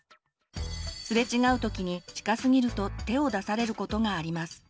すれ違うときに近すぎると手を出されることがあります。